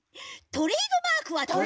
トレードマークは。